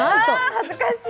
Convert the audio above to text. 恥ずかしい。